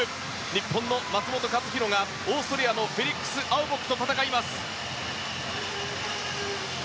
日本の松元克央がオーストリアのフェリックス・アウボックと戦います。